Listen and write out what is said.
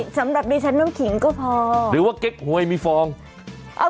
สำหรับดิฉันน้ำขิงก็พอหรือว่าเก๊กหวยมีฟองเอา